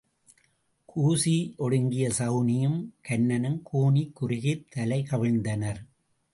கூசி ஒடுங்கிய சகுனியும் கன்னனும் கூனிக் குறுகித் தலை கவிழ்ந்தனர்.